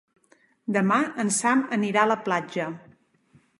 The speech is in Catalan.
Demà en Sam anirà a la platja.